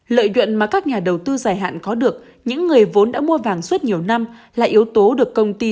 lợi nhuận mà các nhà đầu tư dài hạn có được những người vốn đã mua vàng suốt nhiều năm là yếu tố được công ty